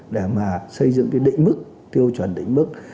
để mà xây dựng cái định mức tiêu chuẩn định mức